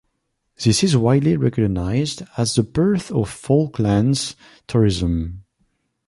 This is widely recognized as the birth of Falklands tourism.